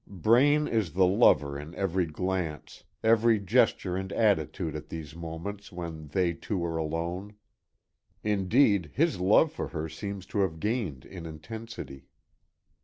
Braine is the lover in every glance, every gesture and attitude at these moments when they two are alone. Indeed, his love for her seems to have gained in intensity.